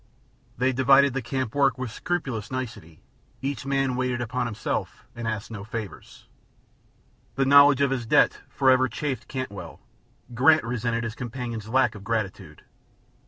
They divided the camp work with scrupulous nicety, each man waited upon himself and asked no favors. The knowledge of his debt forever chafed Cantwell; Grant resented his companion's lack of gratitude.